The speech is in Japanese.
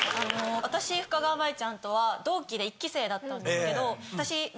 私深川麻衣ちゃんとは同期で１期生だったんですけど私。